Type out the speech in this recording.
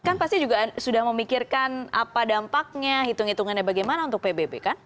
kan pasti juga sudah memikirkan apa dampaknya hitung hitungannya bagaimana untuk pbb kan